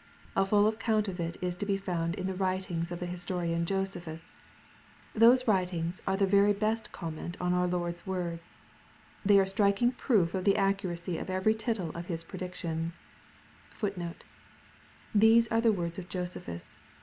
A full account of it is to be found in the writings of the historian Josephus. Those writings are the best comment on our Lord's words They are a striking proof of the accuracy of every tittle of His predictions. The horrors and miseries which * These are the words of Josephus.